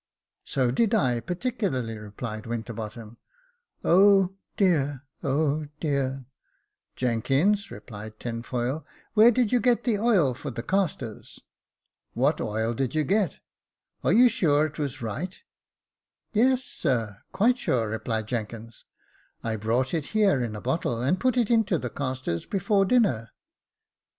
272 Jacob Faithful " So did I, particularly," replied Winterbottom. *' Oh !— oh, dear — oh, dear !" "Jenkins," cried Tinfoil, where did you get the oil for the castors ? What oil did you get ?— are you sure it was right ?"" Yes, sir, quite sure," replied Jenkins. " I brought it here in a bottle, and put it into the castors before dinner."